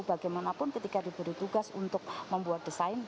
bagaimanapun ketika diberi tugas untuk membuat desain